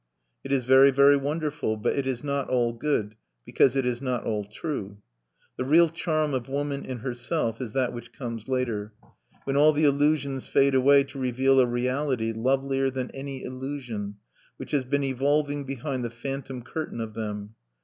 It is very, very wonderful; but it is not all good, because it is not all true. The real charm of woman in herself is that which comes later, when all the illusions fade away to reveal a reality, lovelier than any illusion, which has been evolving behind the phantom curtain of them.